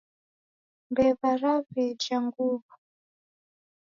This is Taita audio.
Mbewa rawqeja nguwo